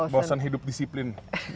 bosen hidup disiplin